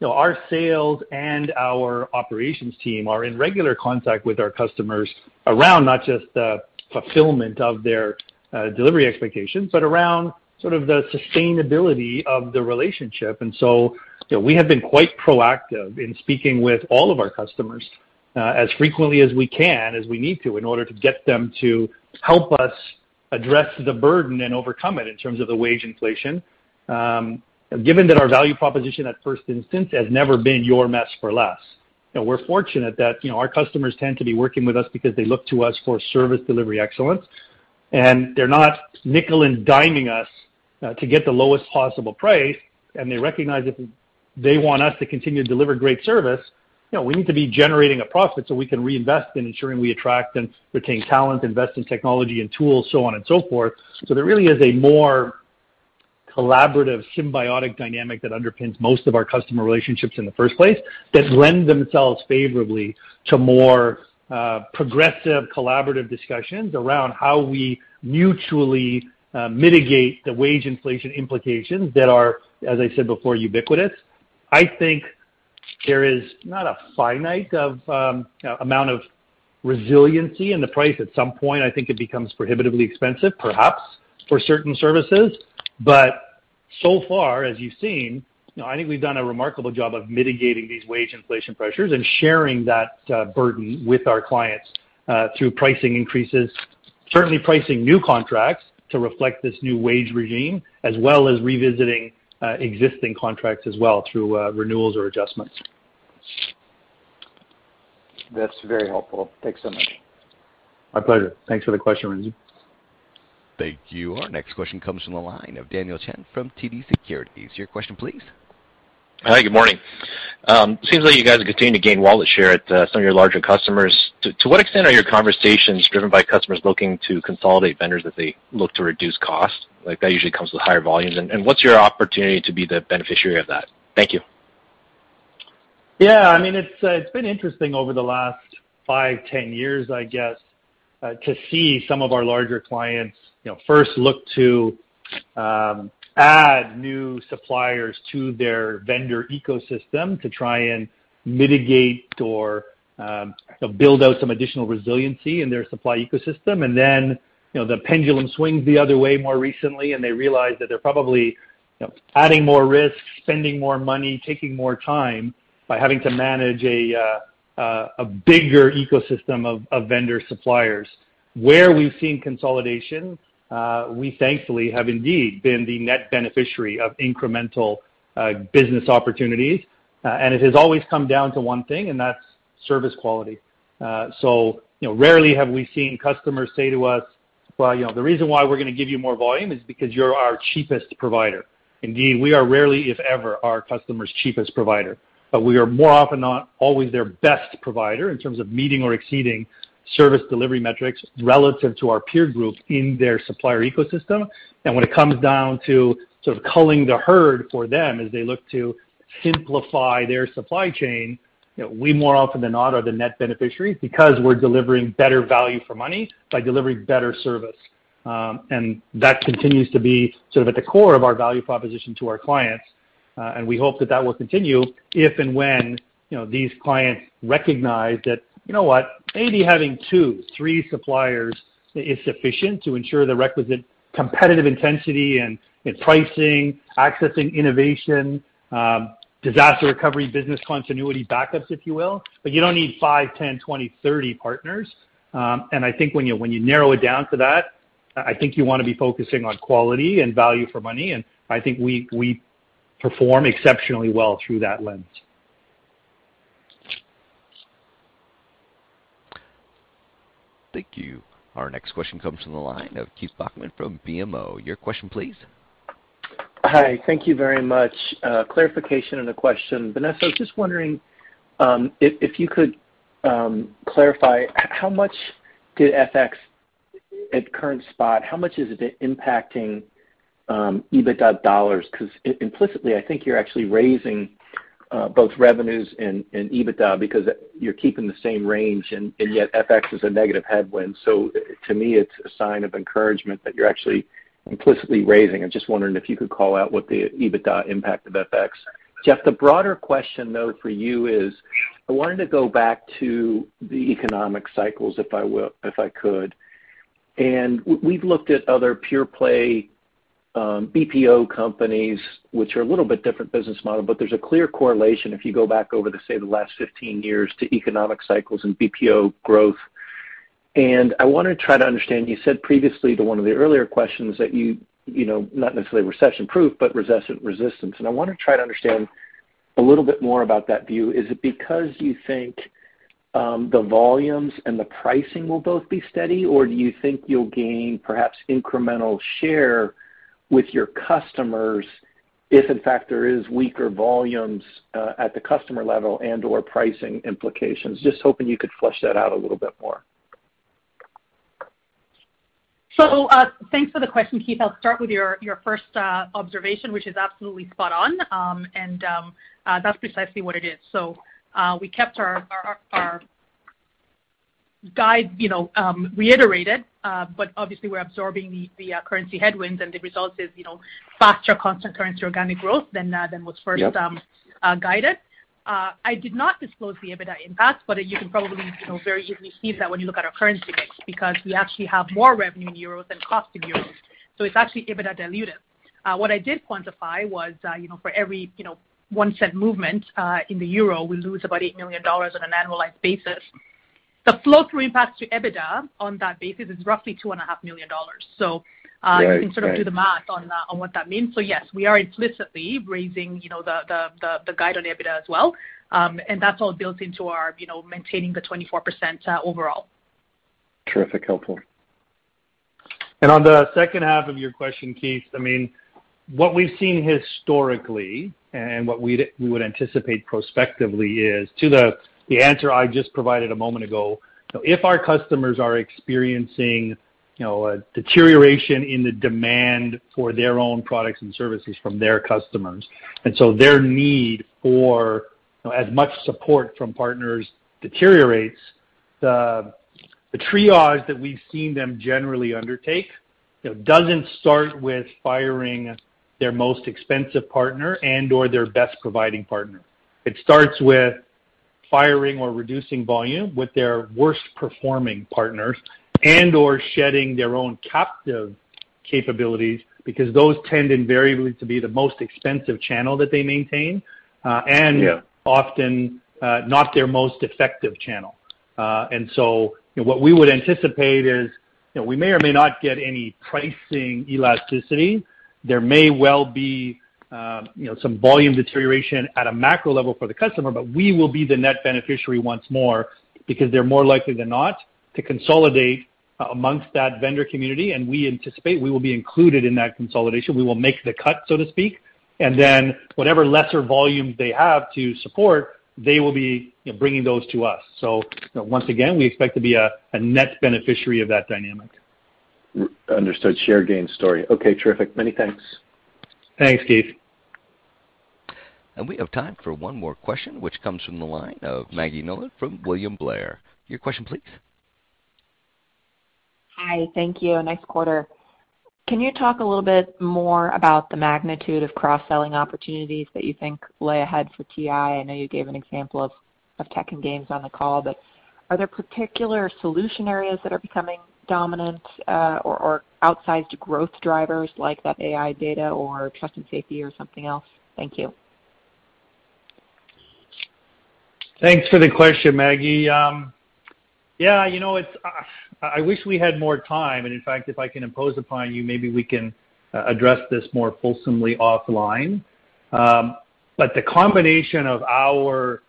know, our sales and our operations team are in regular contact with our customers around not just the fulfillment of their delivery expectations, but around sort of the sustainability of the relationship. You know, we have been quite proactive in speaking with all of our customers as frequently as we can, as we need to, in order to get them to help us address the burden and overcome it in terms of the wage inflation. Given that our value proposition at first instance has never been your mess for less. You know, we're fortunate that, you know, our customers tend to be working with us because they look to us for service delivery excellence. They're not nickel and diming us to get the lowest possible price. They recognize if they want us to continue to deliver great service, you know, we need to be generating a profit so we can reinvest in ensuring we attract and retain talent, invest in technology and tools, so on and so forth. There really is a more collaborative, symbiotic dynamic that underpins most of our customer relationships in the first place that lend themselves favorably to more progressive, collaborative discussions around how we mutually mitigate the wage inflation implications that are, as I said before, ubiquitous. I think there is not a finite of, you know, amount of resiliency in the price. At some point, I think it becomes prohibitively expensive, perhaps, for certain services. So far, as you've seen, you know, I think we've done a remarkable job of mitigating these wage inflation pressures and sharing that burden with our clients through pricing increases. Certainly pricing new contracts to reflect this new wage regime, as well as revisiting existing contracts as well through renewals or adjustments. That's very helpful. Thanks so much. My pleasure. Thanks for the question, Ramsey. Thank you. Our next question comes from the line of Daniel Chan from TD Securities. Your question, please. Hi, good morning. It seems like you guys are continuing to gain wallet share at some of your larger customers. To what extent are your conversations driven by customers looking to consolidate vendors as they look to reduce cost? Like, that usually comes with higher volumes. What's your opportunity to be the beneficiary of that? Thank you. Yeah, I mean, it's been interesting over the last five, ten years, I guess, to see some of our larger clients, you know, first look to add new suppliers to their vendor ecosystem to try and mitigate or, you know, build out some additional resiliency in their supply ecosystem. Then, you know, the pendulum swings the other way more recently, and they realize that they're probably, you know, adding more risk, spending more money, taking more time by having to manage a bigger ecosystem of vendor suppliers. Where we've seen consolidation, we thankfully have indeed been the net beneficiary of incremental business opportunities. It has always come down to one thing, and that's service quality. You know, rarely have we seen customers say to us, "Well, you know, the reason why we're gonna give you more volume is because you're our cheapest provider." Indeed, we are rarely, if ever, our customer's cheapest provider. We are more often than not always their best provider in terms of meeting or exceeding service delivery metrics relative to our peer groups in their supplier ecosystem. When it comes down to sort of culling the herd for them as they look to simplify their supply chain, you know, we more often than not are the net beneficiary because we're delivering better value for money by delivering better service. That continues to be sort of at the core of our value proposition to our clients. We hope that that will continue if and when, you know, these clients recognize that, you know what? Maybe having two, three suppliers is sufficient to ensure the requisite competitive intensity and pricing, accessing innovation, disaster recovery, business continuity backups, if you will. You don't need five, 10, 20, 30 partners. I think when you narrow it down to that, I think you wanna be focusing on quality and value for money. I think we perform exceptionally well through that lens. Thank you. Our next question comes from the line of Keith Bachman from BMO. Your question, please. Hi, thank you very much. Clarification and a question. Vanessa, I was just wondering if you could clarify how much did FX at current spot, how much has it been impacting EBITDA dollars? Because implicitly, I think you're actually raising both revenues and EBITDA because you're keeping the same range and yet FX is a negative headwind. To me it's a sign of encouragement that you're actually implicitly raising. I'm just wondering if you could call out what the EBITDA impact of FX? Jeff, the broader question though for you is I wanted to go back to the economic cycles, if I could. We've looked at other pure play BPO companies, which are a little bit different business model, but there's a clear correlation if you go back over to, say, the last 15 years to economic cycles and BPO growth. I wanna try to understand, you said previously to one of the earlier questions that you know, not necessarily recession-proof, but recession-resistant. I wanna try to understand a little bit more about that view. Is it because you think, the volumes and the pricing will both be steady, or do you think you'll gain perhaps incremental share with your customers if in fact there is weaker volumes, at the customer level and/or pricing implications? Just hoping you could flesh that out a little bit more. Thanks for the question, Keith. I'll start with your first observation, which is absolutely spot on. That's precisely what it is. We kept our guide, you know, reiterated, but obviously we're absorbing the currency headwinds and the result is, you know, faster constant currency organic growth than was first guided. Yep. I did not disclose the EBITDA impact, but you can probably, you know, very easily see that when you look at our currency mix, because we actually have more revenue in euros than cost in euros. It's actually EBITDA dilutive. What I did quantify was, you know, for every, you know, one cent movement in the euro, we lose about $8 million on an annualized basis. The flow-through impact to EBITDA on that basis is roughly $2.5 million. Right. Right. You can sort of do the math on what that means. Yes, we are implicitly raising, you know, the guide on EBITDA as well. That's all built into our, you know, maintaining the 24% overall. Terrific. Helpful. On the second half of your question, Keith, I mean, what we've seen historically and what we would anticipate prospectively is the answer I just provided a moment ago, if our customers are experiencing, you know, a deterioration in the demand for their own products and services from their customers, and so their need for, you know, as much support from partners deteriorates, the triage that we've seen them generally undertake, you know, doesn't start with firing their most expensive partner and/or their best providing partner. It starts with firing or reducing volume with their worst-performing partners and/or shedding their own captive capabilities because those tend invariably to be the most expensive channel that they maintain. Yeah. Often, not their most effective channel. What we would anticipate is, you know, we may or may not get any pricing elasticity. There may well be, you know, some volume deterioration at a macro level for the customer, but we will be the net beneficiary once more because they're more likely than not to consolidate amongst that vendor community, and we anticipate we will be included in that consolidation. We will make the cut, so to speak. Whatever lesser volume they have to support, they will be, you know, bringing those to us. Once again, we expect to be a net beneficiary of that dynamic. Understood. Share gain story. Okay. Terrific. Many thanks. Thanks, Keith. We have time for one more question, which comes from the line of Maggie Nolan from William Blair. Your question please. Hi. Thank you. Nice quarter. Can you talk a little bit more about the magnitude of cross-selling opportunities that you think lay ahead for TI? I know you gave an example of tech and games on the call, but are there particular solution areas that are becoming dominant, or outsized growth drivers like that AI data or trust and safety or something else? Thank you. Thanks for the question, Maggie. Yeah, you know, it's I wish we had more time, and in fact, if I can impose upon you, maybe we can address this more fulsomely offline. The combination of our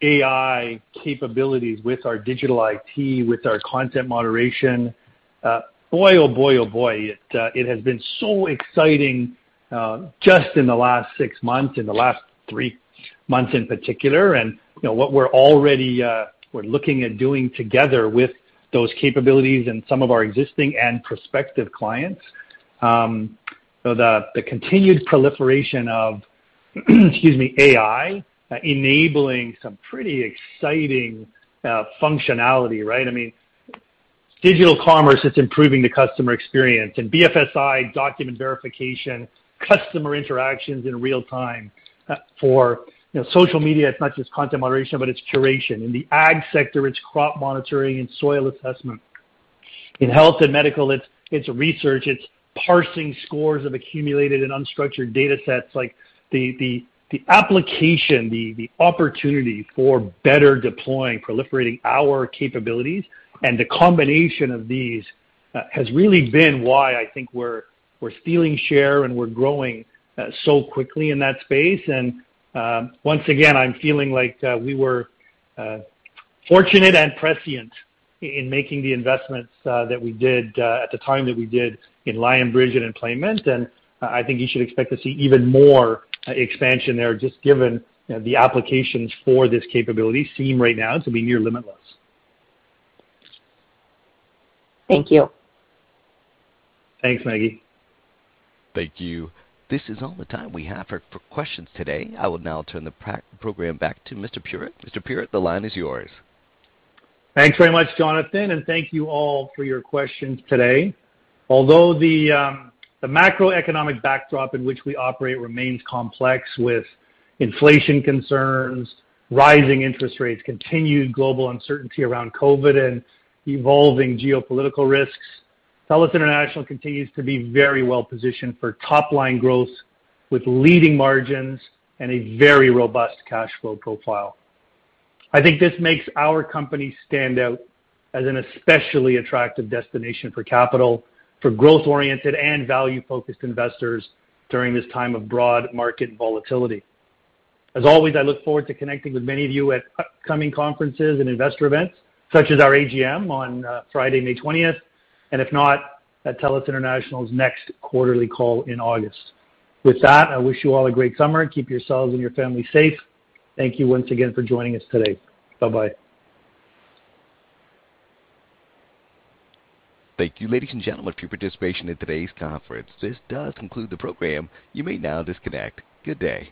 AI capabilities with our digital IT, with our content moderation, boy, oh boy, it has been so exciting, just in the last six months, in the last three months in particular. You know, what we're already looking at doing together with those capabilities and some of our existing and prospective clients, the continued proliferation of, excuse me, AI enabling some pretty exciting functionality, right? I mean, digital commerce is improving the customer experience. In BFSI, document verification, customer interactions in real time. For, you know, social media, it's not just content moderation, but it's curation. In the ad sector, it's crop monitoring and soil assessment. In health and medical, it's research. It's parsing scores of accumulated and unstructured datasets. Like the application, the opportunity for better deploying, proliferating our capabilities and the combination of these has really been why I think we're stealing share and we're growing so quickly in that space. Once again, I'm feeling like we were fortunate and prescient in making the investments that we did at the time that we did in Lionbridge and in Playment. I think you should expect to see even more expansion there just given, you know, the applications for this capability seem right now to be near limitless. Thank you. Thanks, Maggie. Thank you. This is all the time we have for questions today. I will now turn the program back to Mr. Puritt. Mr. Puritt, the line is yours. Thanks very much, Jonathan, and thank you all for your questions today. Although the macroeconomic backdrop in which we operate remains complex with inflation concerns, rising interest rates, continued global uncertainty around COVID, and evolving geopolitical risks, TELUS International continues to be very well positioned for top line growth with leading margins and a very robust cash flow profile. I think this makes our company stand out as an especially attractive destination for capital, for growth-oriented and value-focused investors during this time of broad market volatility. As always, I look forward to connecting with many of you at upcoming conferences and investor events, such as our AGM on Friday, May 20th, and if not, at TELUS International's next quarterly call in August. With that, I wish you all a great summer. Keep yourselves and your family safe. Thank you once again for joining us today. Bye-bye. Thank you, ladies and gentlemen, for your participation in today's conference. This does conclude the program. You may now disconnect. Good day.